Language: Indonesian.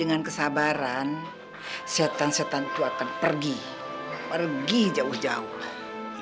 dengan kesabaran setan setan itu akan pergi pergi jauh jauh